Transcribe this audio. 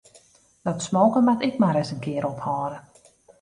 Dat smoken moat ek mar ris in kear ophâlde.